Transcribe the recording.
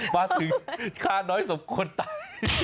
มาถึงฆ่าน้อยสมควรตาย